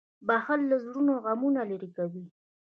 • بښل له زړه نه غمونه لېرې کوي.